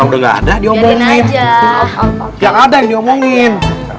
udah nggak ada diomongin aja yang ada yang diomongin